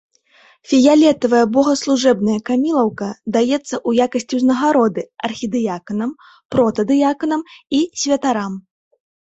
Фіялетавая богаслужэбная камілаўка даецца ў якасці ўзнагароды архідыяканам, протадыяканам і святарам.